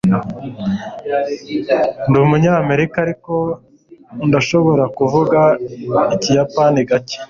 ndi umunyamerika, ariko ndashobora kuvuga ikiyapani gake